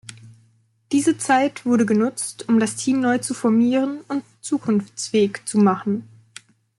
Diese Zeit wurde genutzt um das Team neu zu formieren und zukunftsfähig zu machen.